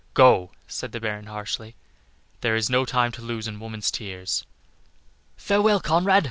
"Go," said the Baron, harshly, "there is no time to lose in woman's tears." "Farewell, Conrad!